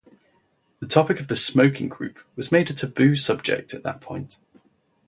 The topic of the "Smoking Group" was made a taboo subject at that point.